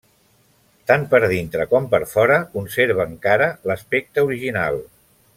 Tant per dintre com per fora, conserva encara l'aspecte original.